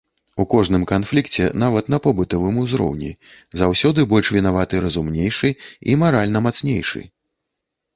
У кожным канфлікце, нават на побытавым узроўні, заўсёды больш вінаваты разумнейшы і маральна мацнейшы.